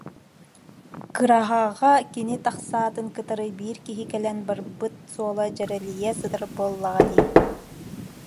кыраһаҕа кини тахсаатын кытары биир киһи кэлэн барбыт суола дьэрэлийэ сытар буоллаҕа дии